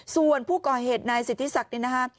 ส่วนผู้ก่อเหตุนายสิทธิศักดิ์นี่นะคะ